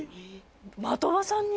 的場さんに？